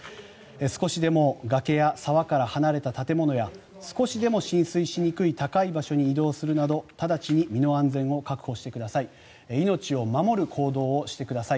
少しでも崖や沢から離れた建物や少しでも浸水しにくい高い場所に移動するなど直ちに身の安全を確保してください。